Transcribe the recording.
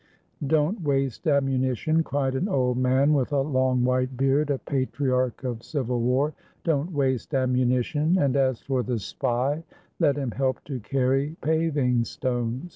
— "Don't waste ammunition," cried an old man with a long white beard — a patriarch of civil war — "don't waste am munition; and as for the spy, let him help to carry paving stones.